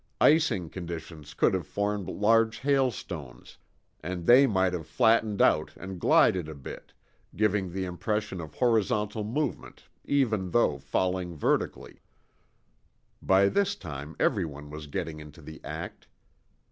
Icing conditions could have formed large hailstones, and they might have flattened out and glided a bit, giving the impression of horizontal movement even though falling vertically." By this time everyone was getting into the act.